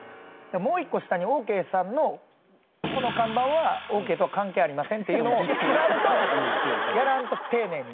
もう一個下にオーケーさんの「この看板はオーケーとは関係ありません」っていうのを作らんとやらんと丁寧に。